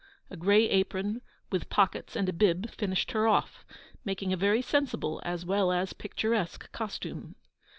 A gray apron, with pockets and a bib, finished her off; making a very sensible as well as picturesque costume.